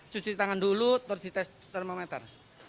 cuci tangan dulu terus dites termometer